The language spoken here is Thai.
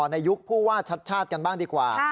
ในยุคผู้ว่าชัดชาติกันบ้างดีกว่า